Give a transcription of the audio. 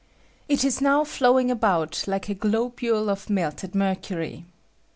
It is now flowing about like a globule of melt ed mercury.